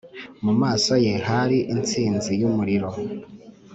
mu maso ye hari intsinzi y'umuriro,